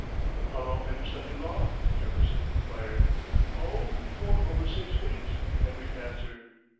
"How long have you studied law?" Jefferson inquired. "Oh, for over six weeks," Henry answered.